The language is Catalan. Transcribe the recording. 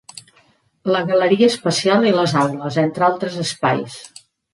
La galeria espacial i les aules, entre altres espais.